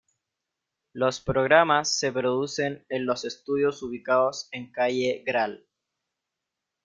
Los programas se producen en los estudios ubicados en calle Gral.